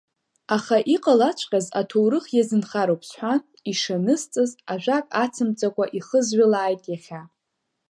Аха иҟалаҵәҟьаз аҭоурых иазынхароуп сҳәан, ишанысҵаз, ажәак ацымҵакәа ихызҩылааит иахьа.